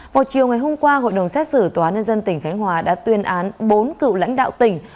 vào chiều ngày hôm qua hội đồng xét xử tòa nhân dân tỉnh khánh hòa đã tuyên án bốn cựu lãnh đạo tỉnh